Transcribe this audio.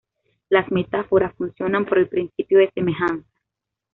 Las metáforas funcionan por el principio de semejanza.